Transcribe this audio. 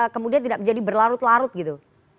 kemudian tidak menjadi berlarut larut gitu